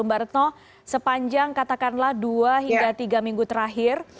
mbak retno sepanjang katakanlah dua hingga tiga minggu terakhir